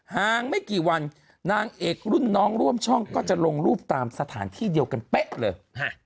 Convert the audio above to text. ห่างไม่กี่วันนางเอกรุ่นน้องร่วมช่องก็จะลงรูปตามสถานที่เดียวกันเป๊ะเลย